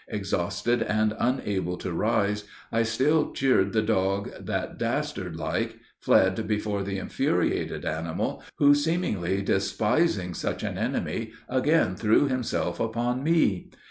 Exhausted, and unable to rise, I still cheered the dog, that, dastard like, fled before the infuriated animal, who, seemingly despising such an enemy, again threw himself upon me.